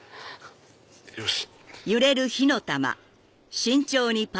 よし！